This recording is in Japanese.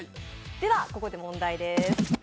ここで問題です。